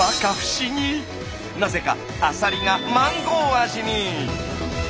なぜかアサリがマンゴー味に！